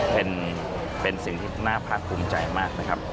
เป็นสิ่งที่น่าภาคภูมิใจมากนะครับ